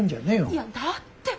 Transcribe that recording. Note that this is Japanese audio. いやだって。